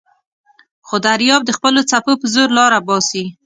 خو دریاب د خپلو څپو په زور لاره باسي.